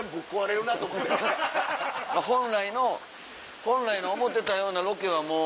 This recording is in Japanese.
本来の本来の思ってたようなロケはもう。